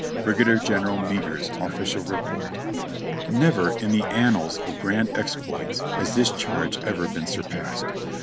Brigadier General Meagher's Offi cial Report.) Never in the annals of grand exploits has this charge ever been surpassed.